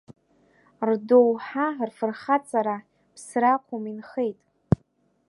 Рдоуҳа, рфырхаҵара, ԥсра ақәым, инхеит.